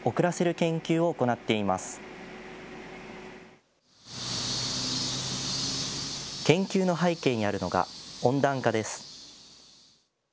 研究の背景にあるのが温暖化です。